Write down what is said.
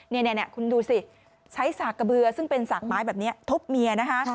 นี่คุณดูสิใช้สากกระเบือซึ่งเป็นสากไม้แบบนี้ทุบเมียนะคะ